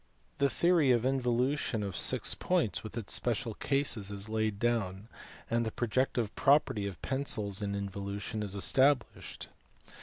The theory of involution of six points, with its special cases, is laid down, and the projective property of pencils in involution is established.